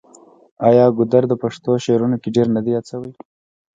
آیا ګودر د پښتو شعرونو کې ډیر نه دی یاد شوی؟